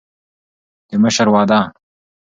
د مشر وعده